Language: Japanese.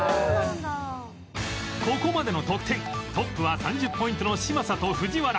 ここまでの得点トップは３０ポイントの嶋佐と藤原